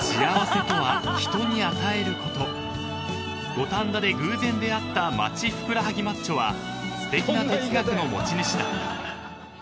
［五反田で偶然出会った街ふくらはぎマッチョはすてきな哲学の持ち主だった］